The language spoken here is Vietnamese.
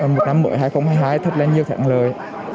một năm mới hai nghìn hai mươi hai thật là nhiều thẳng lời